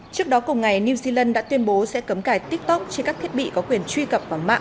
trước đó cùng ngày new zealand đã tuyên bố sẽ cấm cài tiktok trên các thiết bị có quyền truy cập vào mạng